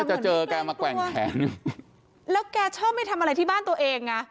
จะเจอแกมาแกว่งแขนแล้วแกชอบไม่ทำอะไรที่บ้านตัวเองไง